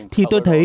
thì tôi thấy